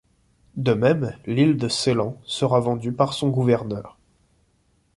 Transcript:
De même, l’île de Ceylan sera vendue par son Gouverneur.